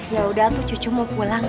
ya udah tuh cucu mau pulang